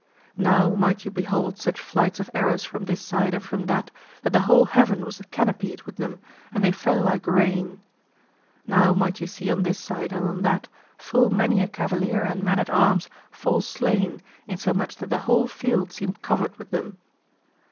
Now might you behold such flights of arrows from this side and from that, that the whole heaven was canopied with them and they fell like rain. Now might you see on this side and on that full many a cavalier and man at arms fall slain, insomuch that the whole field seemed covered with them.